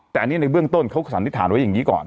แต่อันนี้ในเบื้องต้นเขาสันนิษฐานไว้อย่างนี้ก่อน